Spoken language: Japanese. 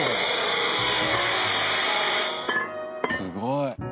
すごい。